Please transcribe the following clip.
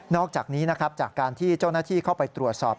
อกจากนี้นะครับจากการที่เจ้าหน้าที่เข้าไปตรวจสอบ